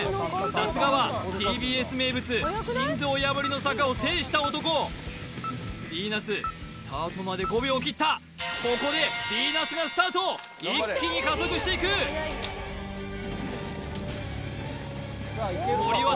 さすがはＴＢＳ名物心臓破りの坂を制した男ヴィーナススタートまで５秒を切ったここで一気に加速していく森渉